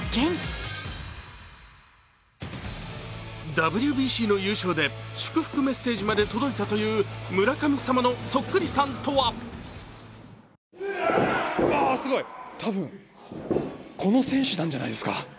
ＷＢＣの優勝で祝福メッセージまで届いたという村神様のそっくりさんとはすごい、多分この選手なんじゃないですか。